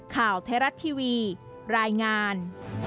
ข่าวเทราะห์ทีวีรายงาน